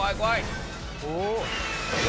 お！